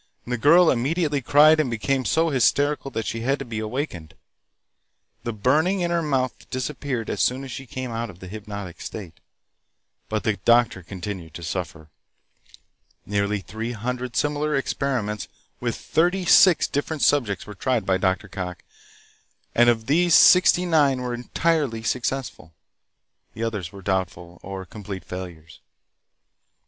The girl immediately cried and became so hysterical that she had to be awakened. The burning in her mouth disappeared as soon as she came out of the hypnotic state, but the doctor continued to suffer. Nearly three hundred similar experiments with thirty six different subjects were tried by Dr. Cocke, and of these sixty nine were entirely successful. The others were doubtful or complete failures.